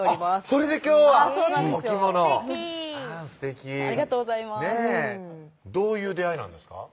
それで今日はお着物すてきありがとうございますどういう出会いなんですか？